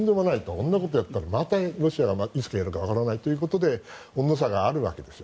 そんなことをやったらまたロシアがいつやるかわからないということで温度差があるわけですよ。